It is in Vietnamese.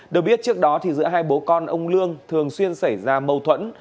được biết trước đó giữa hai bố con ông lương thường xuyên xảy ra mâu thuẫn